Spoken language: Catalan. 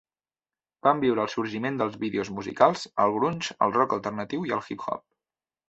Van viure el sorgiment dels vídeos musicals, el grunge, el rock alternatiu i el hip hop.